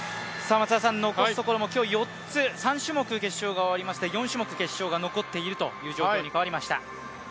残すところも今日４つ、３種目決勝が行われまして４種目決勝が残っているという状況に変わりました。